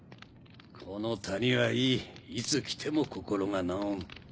この谷はいいいつ来ても心が和む。